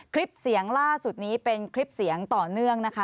คลิปเสียงล่าสุดนี้เป็นคลิปเสียงต่อเนื่องนะคะ